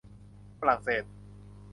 ฝรั่งเศส